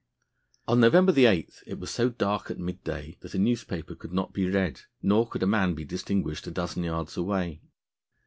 On November 8 it was so dark at midday that a newspaper could not be read, nor could a man be distinguished a dozen yards away.